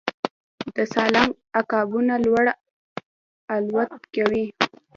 د سالنګ عقابونه لوړ الوت کوي